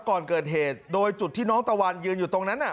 ก่อนเกิดเหตุโดยจุดที่น้องตะวันยืนอยู่ตรงนั้นน่ะ